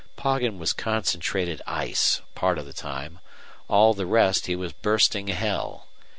Poggin was concentrated ice part of the time; all the rest he was bursting hell.